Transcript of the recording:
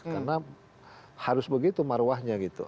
karena harus begitu maruahnya gitu